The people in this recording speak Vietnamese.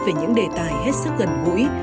về những đề tài hết sức gần ngũi